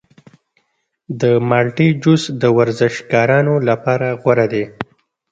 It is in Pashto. د مالټې جوس د ورزشکارانو لپاره غوره دی.